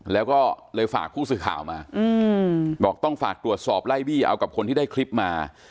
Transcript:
แล้วก็เลยฝากผู้สื่อข่าวมาบอกต้องฝากตรวจสอบไล่บี้เอากับคนที่ได้คลิปมา